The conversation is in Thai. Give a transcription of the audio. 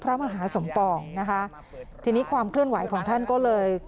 พระมหาสมปองนะคะทีนี้ความเคลื่อนไหวของท่านก็เลย